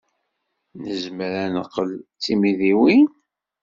Nezmer ad neqqel d timidiwin?